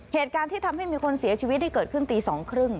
เหตุการณ์ที่ทำให้มีคนเสียชีวิตที่เกิดขึ้นตี๒๓๐